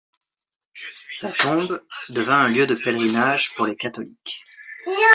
Sa tombe devint un lieu de pèlerinage pour les catholiques.